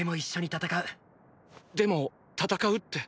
でも戦うって。